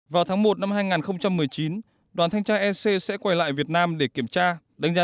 vào tháng một năm hai nghìn một mươi chín đoàn thanh tra ec sẽ quay lại việt nam để kiểm tra đánh giá